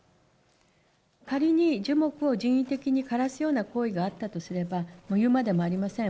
仮に、樹木を人為的に枯らすような行為があったとすれば、もう言うまでもありません